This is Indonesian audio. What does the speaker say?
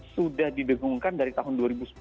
sudah didengungkan dari tahun dua ribu sepuluh